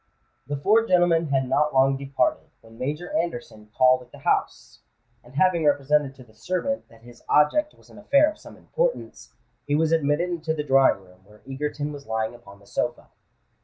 The four gentlemen had not long departed, when Major Anderson called at the house; and having represented to the servant that his object was an affair of some importance, he was admitted into the drawing room where Egerton was lying upon the sofa.